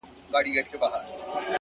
• رایې کړل څلور ښکلي زامن لکه لعلونه ,